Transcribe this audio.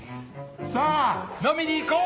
さぁ飲みにいこう！